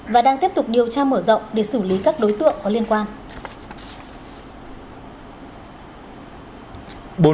và đang tiếp tục điều tra mở rộng để xử lý các đối tượng có liên quan